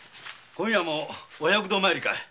今夜もお百度参りかい。